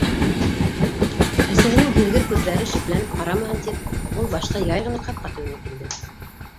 Әсәһенең һиҙгер күҙҙәре шикләнеп ҡарамаһын тип, ул башта яй ғына ҡапҡа төбөнә килде.